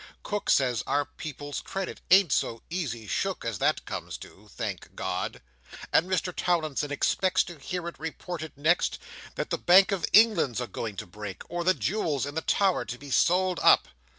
Cook says our people's credit ain't so easy shook as that comes to, thank God; and Mr Towlinson expects to hear it reported next, that the Bank of England's a going to break, or the jewels in the Tower to be sold up.